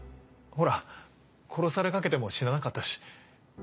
ほら殺されかけても死ななかったし。